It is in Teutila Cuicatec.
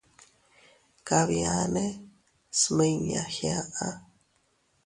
Kabiane smiña giaʼa.